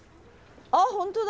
あ本当だ。